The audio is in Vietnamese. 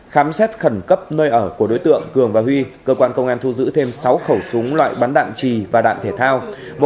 khám xét khẩn cấp nơi ở của đối tượng cường và huy cơ quan công an thu giữ thêm sáu khẩu súng loại bắn đạn trì và đạn thể thao